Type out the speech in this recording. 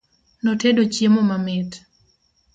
Notedo chiemo mamit